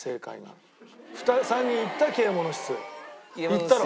行ったろ？